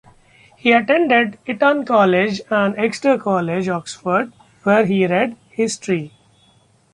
He attended Eton College and Exeter College, Oxford, where he read History.